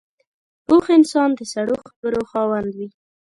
پوخ انسان د سړو خبرو خاوند وي